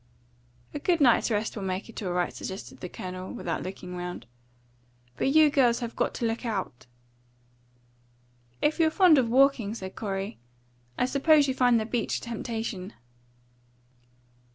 "A good night's rest will make it all right," suggested the Colonel, without looking round. "But you girls have got to look out." "If you're fond of walking," said Corey, "I suppose you find the beach a temptation."